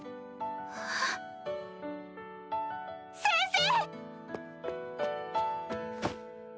先生！